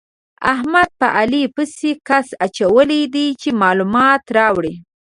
احمد په علي پسې کس اچولی دی چې مالومات راوړي.